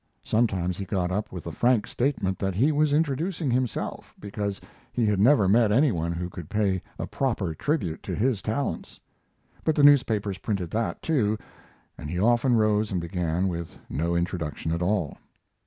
Sometimes he got up with the frank statement that he was introducing himself because he had never met any one who could pay a proper tribute to his talents; but the newspapers printed that too, and he often rose and began with no introduction at all.